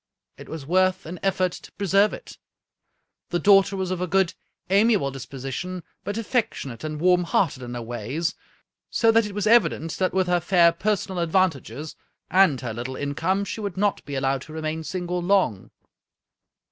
It was worth an effort to preserve it. The daughter was of a good, amiable disposition, but affectionate and warm hearted in her ways, so that it was evident that with her fair personal advantages, and her little income, she would not be allowed to remain single long.